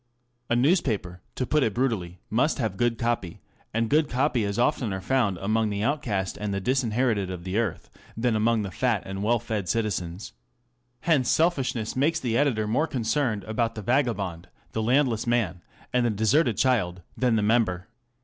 A newspaper, to put it brutally, must have good copy, and good copy is oftener found among the outcast and the disin herited of the earth than among the fat and well fed citizens. Hence Digitized by Google 670 THE CONTEMPORARY REVIEW. selfishness makes the editor more concerned about the vagabond, the landless man, and the deserted child, than the member.